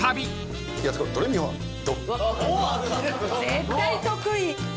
絶対得意。